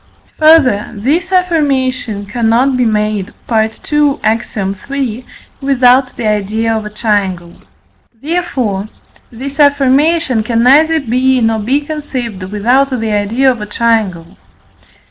Further, this affirmation cannot be made (II. Ax. iii.) without the idea of a triangle. Therefore, this affirmation can neither be nor be conceived, without the idea of a triangle.